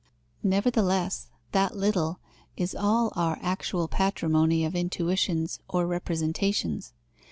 Nevertheless, that little is all our actual patrimony of intuitions or representations.